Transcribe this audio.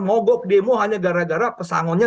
mogok demo hanya gara gara pesangonnya